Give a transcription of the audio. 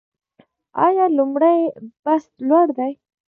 آیا لومړی بست لوړ دی؟